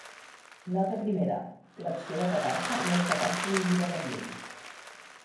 Nota primera: l'acció de petar-se no està pas prohibida per llei.